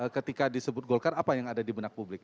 ketika disebut golkar apa yang ada di benak publik